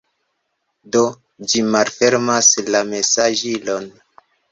Do, ĝi malfermas la mesaĝilon